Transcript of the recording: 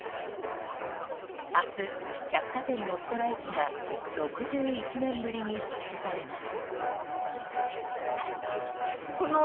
明日、百貨店のストライキが６１年ぶりに実施されます。